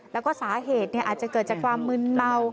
แล้วก็สาเหตุอาจจะเกิดจากความมึนเมา